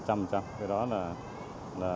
cái đó là